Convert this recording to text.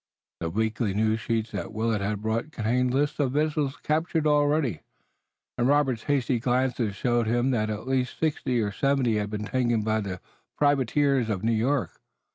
The weekly news sheets that Willet had bought contained lists of vessels captured already, and Robert's hasty glances showed him that at least sixty or seventy had been taken by the privateers out of New York.